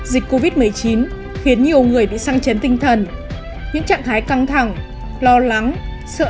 dịch covid một mươi chín khiến nhiều người bị xăng chấn tinh thần những trạng thái căng thẳng lo lắng sợ